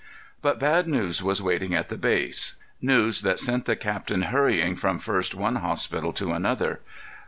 But bad news was waiting at the base—news that sent the captain hurrying from first one hospital to another.